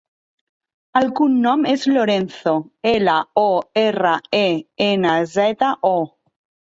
El cognom és Lorenzo: ela, o, erra, e, ena, zeta, o.